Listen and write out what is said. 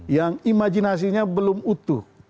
yang imajinasinya belum utuh